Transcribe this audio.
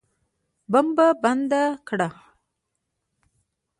بمبه بنده کړه.